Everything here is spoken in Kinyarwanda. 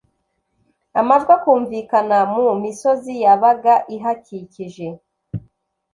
amajwi akumvikana mu misozi yabaga ihakikije.